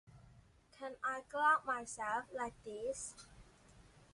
可以這樣自己導覽自己嗎